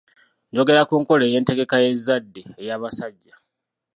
Njogera ku nkola ey’entegeka y’ezzadde, ey'abasajja.